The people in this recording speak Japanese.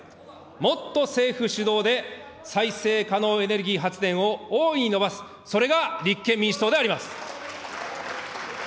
もっと政府主導で、再生可能エネルギー発電を大いに伸ばす、それが立憲民主党であります。